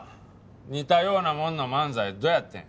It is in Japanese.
似たようなもんの漫才どうやってん？